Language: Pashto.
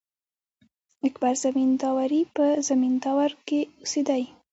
اکبر زمینداوری په زمینداور کښي اوسېدﺉ.